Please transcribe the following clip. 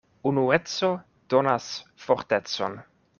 Unueco donas fortecon.